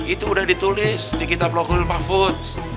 itu udah ditulis di kitab loh kul pahfudz